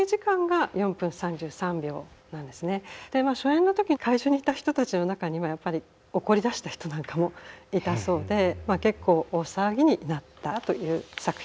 初演の時会場にいた人たちの中にはやっぱり怒りだした人なんかもいたそうで結構大騒ぎになったという作品です。